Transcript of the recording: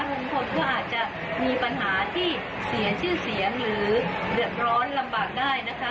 ลุงพลก็อาจจะมีปัญหาที่เสียชื่อเสียงหรือเดือดร้อนลำบากได้นะคะ